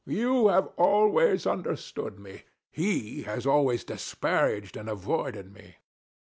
You have always understood me: he has always disparaged and avoided me.